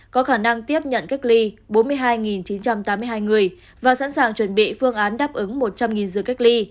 có khả năng tiếp nhận cách ly bốn mươi hai chín trăm tám mươi hai người và sẵn sàng chuẩn bị phương án đáp ứng một trăm linh giường cách ly